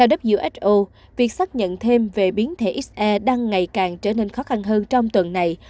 who việc xác nhận thêm về biến thể se đang ngày càng trở nên khó khăn hơn trong tuần này